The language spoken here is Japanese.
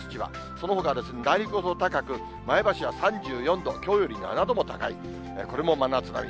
そのほか、内陸ほど高く、前橋は３４度、きょうより７度も高い、これも真夏並み。